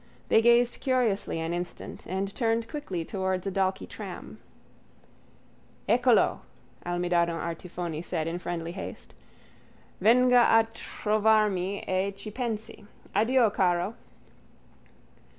They gazed curiously an instant and turned quickly towards a Dalkey tram. —Eccolo, Almidano Artifoni said in friendly haste. _Venga a trovarmi e ci pensi. Addio, caro.